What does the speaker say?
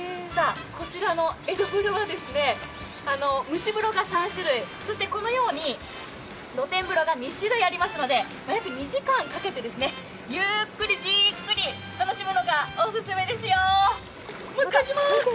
こちらの江戸風呂は蒸し風呂が３種類、そしてこのように露天風呂が２種類ありますので約２時間かけてゆーっくり、じっくり楽しむのがオススメですよ！